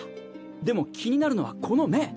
でも気になるのはこの目。